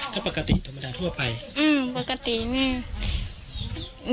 เค้าปกติธรรมดาทั่วไปอืมปกติเนี้ย